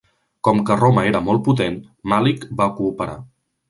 Com que Roma era molt potent, Màlic va cooperar.